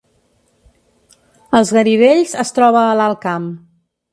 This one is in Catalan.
Els Garidells es troba a l’Alt Camp